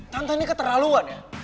tante ini keterlaluan ya